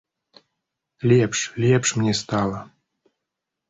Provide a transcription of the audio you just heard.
Лепш, лепш мне стала!